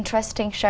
của chúng tôi